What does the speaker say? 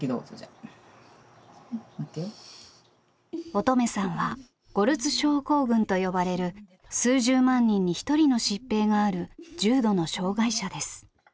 音十愛さんはゴルツ症候群と呼ばれる数十万人に一人の疾病がある重度の障害者です。